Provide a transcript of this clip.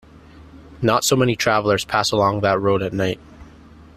Not so many travellers pass along that road at night.